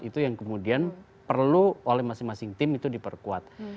itu yang kemudian perlu oleh masing masing tim itu diperkuat